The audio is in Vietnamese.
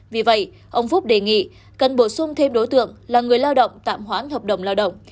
vì vậy ông phúc đề nghị cần bổ sung thêm đối tượng là người lao động tạm hoãn hợp đồng lao động